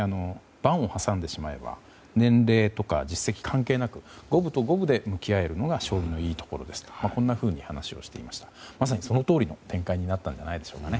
盤を挟んでしまえば年齢とか実績関係なく五分と五分で向き合えるのが将棋のいいところですと話していてまさにそのとおりの展開になったんじゃないでしょうかね。